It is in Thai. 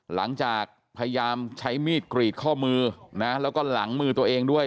หลังจากพยายามใช้มีดกรีดข้อมือนะแล้วก็หลังมือตัวเองด้วย